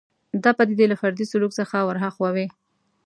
دا پدیدې له فردي سلوک څخه ورهاخوا وي